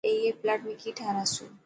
ائي پلاٽ ۾ ڪي ٺاراسو.